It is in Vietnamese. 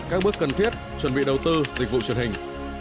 các bước cần thiết chuẩn bị đầu tư dịch vụ truyền hình